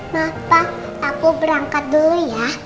mata aku berangkat dulu ya